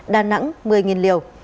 đà nẵng một mươi liều